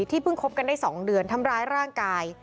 เพิ่งคบกันได้๒เดือนทำร้ายร่างกาย